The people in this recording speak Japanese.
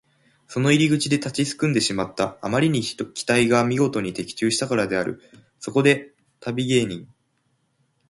その入り口で立ちすくんでしまった。あまりに期待がみごとに的中したからである。そこで旅芸人